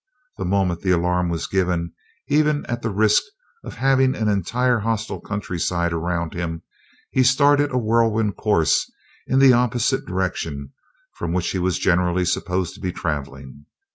The moment the alarm was given even at the risk of having an entire hostile countryside around him he started a whirlwind course in the opposite direction from which he was generally supposed to be traveling.